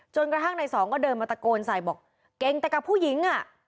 กระทั่งในสองก็เดินมาตะโกนใส่บอกเก่งแต่กับผู้หญิงอ่ะ